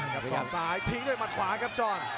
กับส่องซ้ายทิ้งด้วยมัดขวาครับจอห์น